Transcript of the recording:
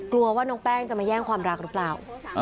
กลัวว่าน้องแป้งจะมาแย่งความรักหรือเปล่า